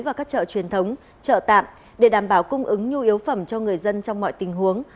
và các chợ truyền thống chợ tạm để đảm bảo cung ứng nhu yếu phẩm cho người dân trong mọi tình huống